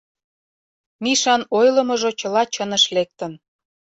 Мишан ойлымыжо чыла чыныш лектын.